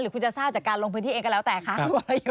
คุณจะทราบจากการลงพื้นที่เองก็แล้วแต่คะ